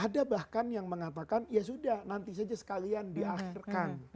ada bahkan yang mengatakan ya sudah nanti saja sekalian diakhirkan